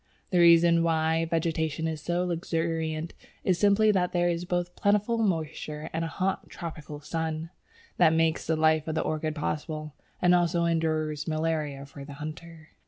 The reason why vegetation is so luxuriant is simply that there are both plentiful moisture and a hot, tropical sun. That makes the life of the orchid possible, and also ensures malaria for the hunter.